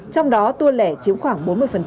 trong đó tour lẻ chiếm khoảng bốn mươi